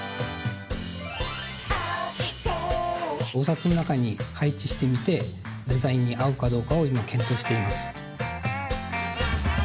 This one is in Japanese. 「あして」お札のなかに配置してみてデザインにあうかどうかをいまけんとうしています。